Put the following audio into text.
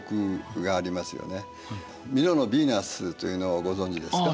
ミロのヴィーナスというのをご存じですか？